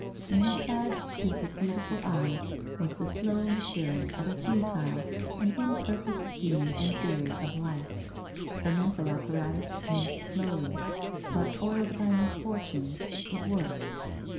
In her sad. stupid, beautiful eyes was the slow maturing of a futile, an imperfect scheme and theory of life. ITnr mental apparatus moved slowly, but oiled by misfortune, it worked.